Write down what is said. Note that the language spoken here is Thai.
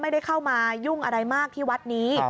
ไม่ได้เข้ามายุ่งอะไรมากที่วัดนี้